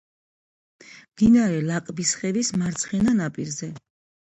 მდინარე ლაკბისხევის მარცხენა ნაპირზე.